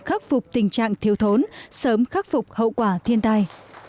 khắc phục tình trạng thiếu thốn sớm khắc phục hậu quả thiên tai